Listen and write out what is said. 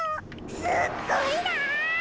すっごいな！